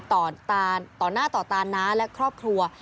ต่อหน้าต่อตาน้าและครอบครัว